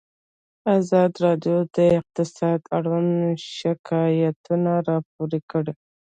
ازادي راډیو د اقتصاد اړوند شکایتونه راپور کړي.